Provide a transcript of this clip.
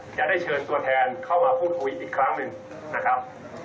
จะได้เชิญตัวแทนเข้ามาพูดคุยอีกครั้งหนึ่งนะครับ